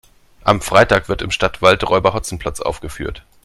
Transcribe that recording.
Am Freitag wird im Stadtwald Räuber Hotzenplotz aufgeführt.